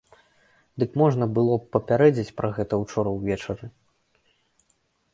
Дык можна было б папярэдзіць пра гэта учора ўвечары?